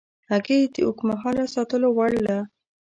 هګۍ د اوږد مهاله ساتلو وړ ده.